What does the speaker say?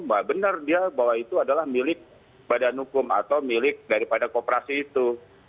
bahwa benar dia bahwa itu adalah milik badan hukum atau milik daripada kooperasi itu